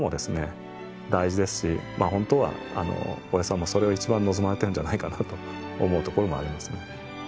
大事ですし本当は大江さんもそれを一番望まれてるんじゃないかなと思うところもありますね。